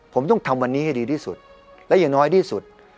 ผมต้องทำวันนี้ให้ดีที่สุดและอย่างน้อยที่สุด